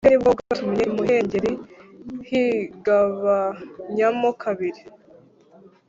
Ubumenyi bwe ni bwo bwatumye imuhengeri higabanyamo kabiri